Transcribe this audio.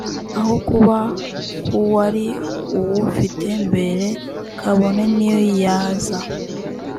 aho kuba k uwari uwufite mbere kabone n iyo yaza